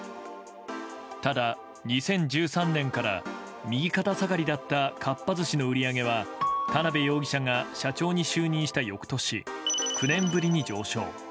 ただ、２０１３年から右肩下がりだったかっぱ寿司の売り上げは田辺容疑者が社長に就任した翌年９年ぶりに上昇。